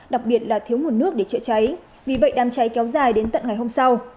đặc biệt là thiếu nguồn nước để chữa cháy vì vậy đám cháy kéo dài đến tận ngày hôm sau